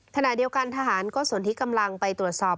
ขณะเดียวกันทหารก็ส่วนที่กำลังไปตรวจสอบ